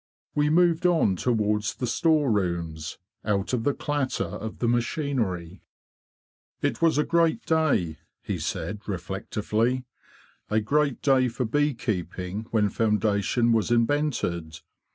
We moved on towards the store rooms, out of the clatter of the machinery. 90 THE BEE MASTER OF WARRILOW ""Tt was a great day,"' he said, reflectively, "a great day for bee keeping when foundation was invented.